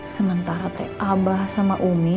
sementara teh abah sama umi